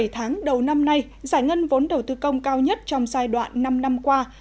bảy tháng đầu năm nay giải ngân vốn đầu tư công cao nhất trong giai đoạn năm năm qua